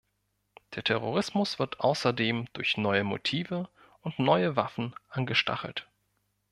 Der Terrorismus wird außerdem durch neue Motive und neue Waffen angestachelt.